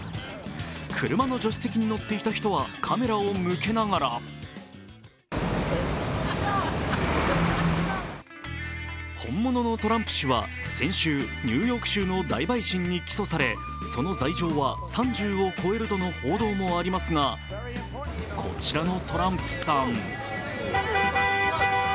車の助手席に乗っていた人はカメラを向けながら本物のトランプ氏は先週、ニューヨーク州の大陪審に起訴され、その罪状は３０を超えるとの報道もありますが、こちらのトランプさん